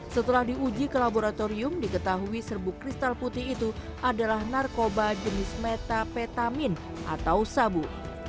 setelah diuji ke laboratorium diketahui serbuk kristal putih itu adalah narkoba jenis metapetamin atau sabu